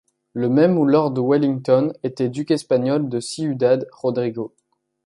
Le même lord Wellington était duc espagnol de Ciudad-Rodrigo